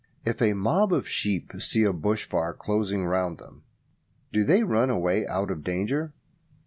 If a mob of sheep see a bush fire closing round them, do they run away out of danger?